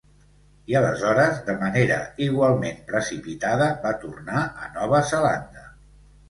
I aleshores, de manera igualment precipitada, va tornar a Nova Zelanda.